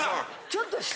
ちょっと。